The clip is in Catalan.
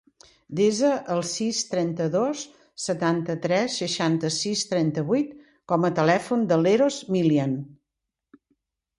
Desa el sis, trenta-dos, setanta-tres, seixanta-sis, trenta-vuit com a telèfon de l'Eros Milian.